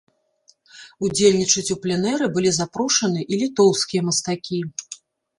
Удзельнічаць у пленэры былі запрошаны і літоўскія мастакі.